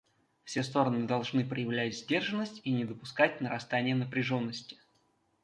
Все стороны должны проявлять сдержанность и не допускать нарастания напряженности.